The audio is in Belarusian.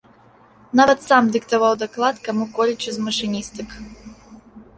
Нават сам дыктаваў даклад каму-колечы з машыністак.